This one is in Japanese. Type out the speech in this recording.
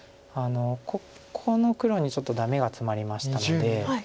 ここの黒にちょっとダメがツマりましたので。